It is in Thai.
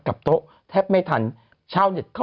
นี่นี่นี่นี่นี่นี่